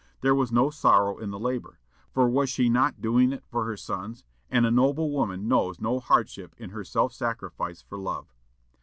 There was no sorrow in the labor, for was she not doing it for her sons, and a noble woman knows no hardship in her self sacrifice for love.